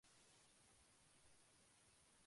Luego, dada su difusión, se asoció con toda la región.